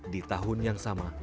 di tahun yang sama